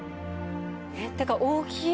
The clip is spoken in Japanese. ってか大きい。